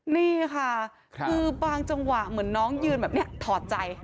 นี่ค่ะคือบางจังหวะเหมือนน้องยืนแบบนี้ถอดใจ